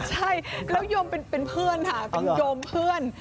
ใช่แล้วโยมเป็นเพื่อนค่ะเป็นโยมเพื่อน